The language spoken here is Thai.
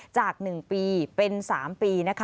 จาก๑ปีเป็น๓ปี